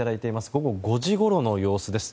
午後５時ごろの様子です。